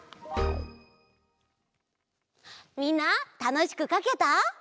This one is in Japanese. みんなたのしくかけた？